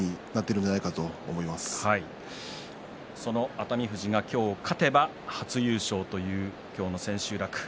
そんな熱海富士は今日勝てば初優勝という今日の千秋楽。